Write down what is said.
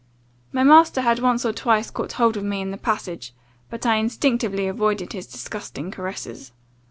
My master had once or twice caught hold of me in the passage; but I instinctively avoided his disgusting caresses.